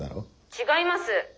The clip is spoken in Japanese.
「違います！